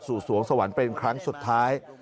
สวงสวรรค์เป็นครั้งสุดท้าย